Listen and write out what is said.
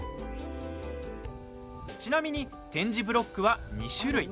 ちなみに、点字ブロックは２種類。